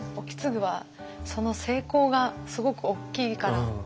意次はその成功がすごく大きいから。